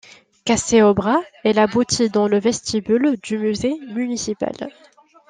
Cassée au bras, elle aboutit dans le vestibule du musée municipal.